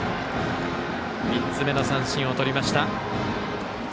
３つ目の三振をとりました、辻井。